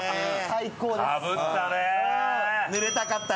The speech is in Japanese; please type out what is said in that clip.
かぶったね。